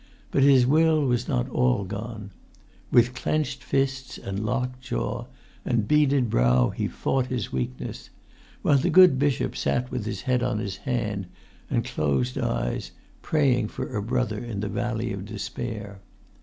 But his will was not all gone. With clenched fists, and locked jaw, and beaded brow, he fought his weakness, while the good bishop sat with his head on his hand, and closed eyes, praying for a brother in the valley of despair.